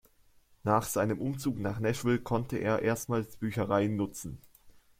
Nach seinem Umzug nach Nashville konnte er erstmals Büchereien nutzen.